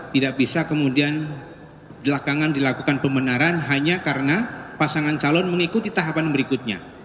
tidak bisa kemudian belakangan dilakukan pembenaran hanya karena pasangan calon mengikuti tahapan berikutnya